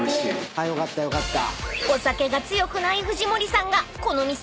あっよかったよかった。